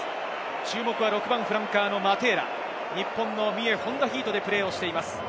注目は６番・フランカーのマテーラ、日本の三重ホンダヒートでプレーしています。